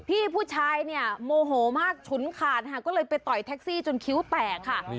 พี่ผู้ชายเนี่ยโมโหมากฉุนขาดค่ะก็เลยไปต่อยแท็กซี่จนคิ้วแตกค่ะ